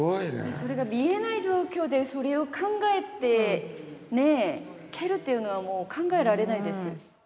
それが見えない状況でそれを考えて蹴るっていうのは考えられないです。